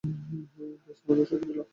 Gauge, আমার সাথে চলো।